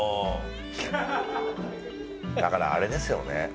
だからあれですよね。